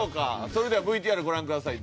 それではＶＴＲご覧ください。